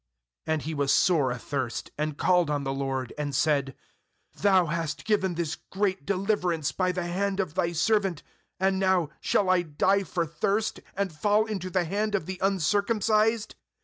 18And he was sore athirst, and called on the LORD, and said: 'Thou hast given this great de hverance by the hand of Thy serv ant; and now shall I die for thirst, and fall into the hand of the un circumcised?'.